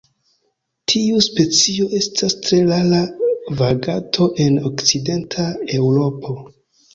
Tiu specio estas tre rara vaganto en okcidenta Eŭropo.